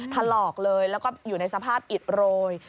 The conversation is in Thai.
ถลอกเลยแล้วก็อยู่ในสภาพอิดโรย